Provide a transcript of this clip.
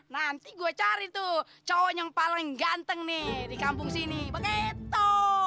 nanti gue cari tuh cowok yang paling ganteng nih di kampung sini begitu